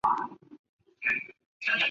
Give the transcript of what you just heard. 她承认此曲是她曾经写过最忧愁的。